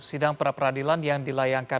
sidang pra peradilan yang dilayangkan